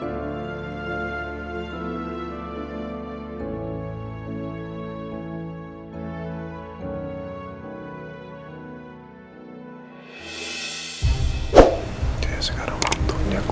aku bisa berjalan ulli aku